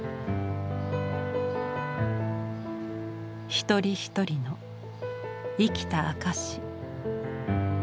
一人一人の生きた証し。